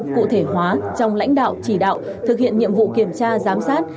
cụ thể hóa trong lãnh đạo chỉ đạo thực hiện nhiệm vụ kiểm tra giám sát